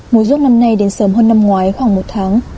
mùa rút năm nay đến sớm hơn năm ngoái khoảng một tháng